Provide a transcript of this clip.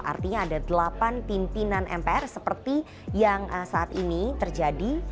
artinya ada delapan pimpinan mpr seperti yang saat ini terjadi